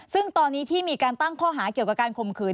ซึ่งตอนนี้ที่มีการตั้งข้อหาเกี่ยวกับการข่มขืน